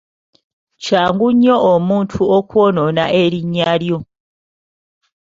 Kyangu nnyo omuntu okwonoona erinnya lyo.